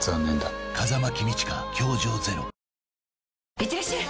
いってらっしゃい！